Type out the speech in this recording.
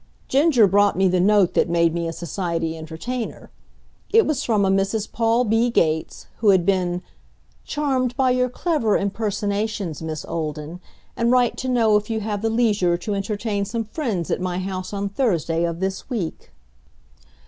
Ginger brought me the note that made me a society entertainer. It was from a Mrs. Paul B. Gates, who had been "charmed by your clever impersonations, Miss Olden, and write to know if you have the leisure to entertain some friends at my house on Thursday of this week."